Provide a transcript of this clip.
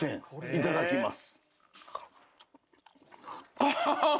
いただきます。